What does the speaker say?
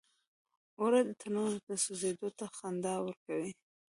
اوړه د تنور سوزیدو ته خندا ورکوي